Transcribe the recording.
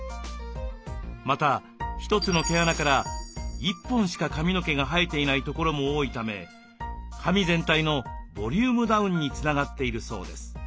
また一つの毛穴から１本しか髪の毛が生えていないところも多いため髪全体のボリュームダウンにつながっているそうです。